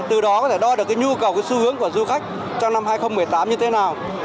từ đó có thể đo được cái nhu cầu cái xu hướng của du khách trong năm hai nghìn một mươi tám như thế nào